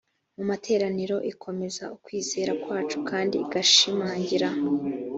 mu materaniro ikomeza ukwizera kwacu kandi igashimangira